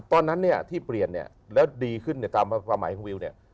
ตอนนั้นที่เปลี่ยนแล้วดีขึ้นตามความหมายของวิวเนี่ย